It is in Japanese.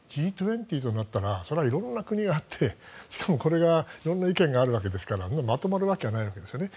Ｇ２０となったらそれは色んな国があってしかもこれが色んな意見があるわけですからまとまるわけがないわけですよね